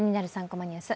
３コマニュース」